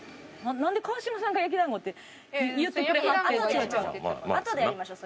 なんで川島さんが焼きだんごって言ってくれはって。